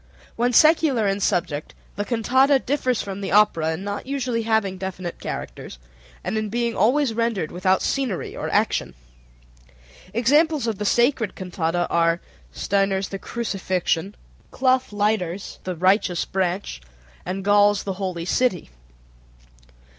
When secular in subject the cantata differs from the opera in not usually having definite characters, and in being always rendered without scenery or action. Examples of the sacred cantata are: Stainer's "The Crucifixion," Clough Leighter's "The Righteous Branch," and Gaul's "The Holy City."